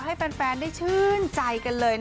ให้แฟนได้ชื่นใจกันเลย